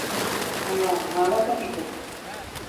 Ha mávatapiko.